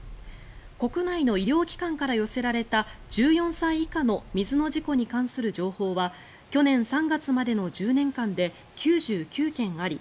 国内の医療機関から寄せられた１４歳以下の水の事故に関する情報は去年３月までの１０年間で９９件あり